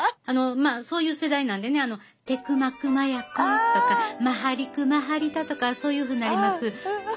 あのまあそういう世代なんでね「テクマクマヤコン」とか「マハリクマハリタ」とかそういうふうになります。